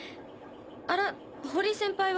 あら堀井先輩は？